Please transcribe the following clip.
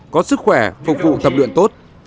có sức khỏe phục vụ tập luyện tốt